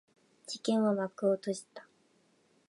事件は幕を閉じた。